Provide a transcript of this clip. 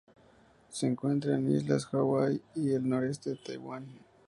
Se encuentra en las islas Hawái y el noreste de Taiwán.